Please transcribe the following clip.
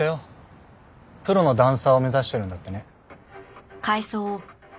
プロのダンサーを目指しているんだってね。